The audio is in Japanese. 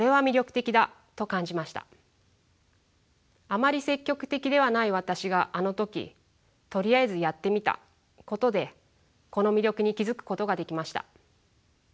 あまり積極的ではない私があの時とりあえずやってみたことでこの魅力に気付くことができました。